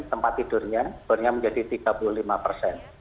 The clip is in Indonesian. tempat tidurnya bornya menjadi tiga puluh lima persen